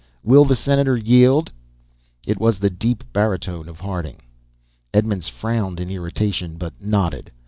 "Will the senator yield?" It was the deep baritone of Harding. Edmonds frowned in irritation, but nodded.